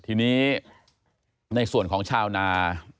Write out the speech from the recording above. ทีนี้ในส่วนของชาวนา